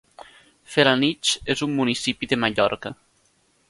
Felanitx és un municipi de Mallorca.